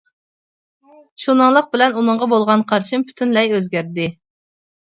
شۇنىڭلىق بىلەن ئۇنىڭغا بولغان قارىشىم پۈتۈنلەي ئۆزگەردى.